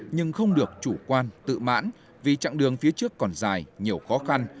nhưng không được chủ quan tự mãn vì chặng đường phía trước còn dài nhiều khó khăn